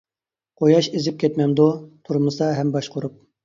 قۇياش ئېزىپ كەتمەمدۇ؟ تۇرمىسا ھەم باشقۇرۇپ.